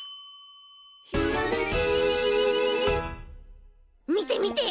「ひらめき」みてみて！